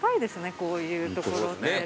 こういうところって。